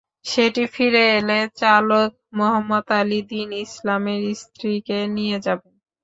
সেটি ফিরে এলে চালক মোহাম্মদ আলী দীন ইসলামের স্ত্রীকে নিয়ে যাবেন।